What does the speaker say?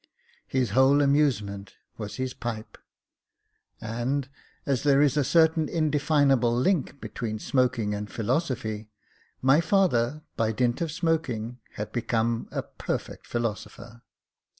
His whole amusement was his pipe ; and, as there is a certain indefinable link between smoking and philosophy, my father, by dint of smoking, had become a perfect philosopher.